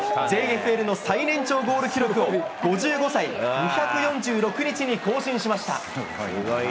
ＪＦＬの最年長ゴール記録を、５５歳２４６日に更新しました。